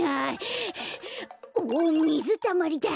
おっみずたまりだ！